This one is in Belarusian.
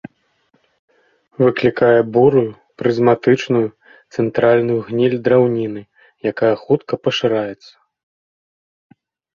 Выклікае бурую, прызматычную, цэнтральную гніль драўніны, якая хутка пашыраецца.